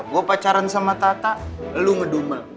gue pacaran sama tata lu ngedumel